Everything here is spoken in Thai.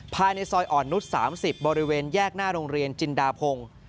ภายในซอยอ่อนนุษย์๓๐บริเวณแยกหน้าโรงเรียนจินดาพงศ์